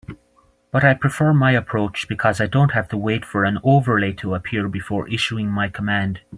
But I prefer my approach because I don't have to wait for an overlay to appear before issuing my command.